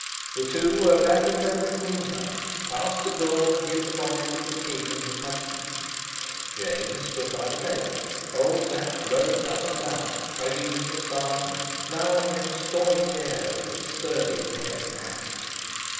The two were back in their little room now, past the door that hid the bodies of the king and his huntsman. James stood by the table, old Sapt roamed up and down, tugging his moustache, and now and again sawing the air with his sturdy hairy hand.